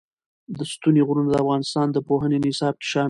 ستوني غرونه د افغانستان د پوهنې نصاب کې شامل دي.